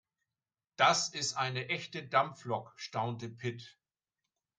"Das ist eine echte Dampflok", staunte Pit.